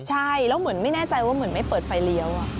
ใช่แล้วเหมือนไม่แน่ใจว่าเหมือนไม่เปิดไฟเลี้ยว